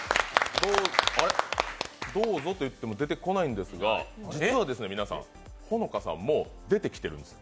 どうぞと言っても出てこないんですが、実はですね、皆さんＨｏｎｏｋａさんもう出てきてるんです。